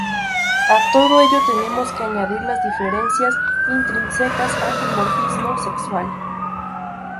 A todo ello, tenemos que añadir las diferencias intrínsecas al dimorfismo sexual.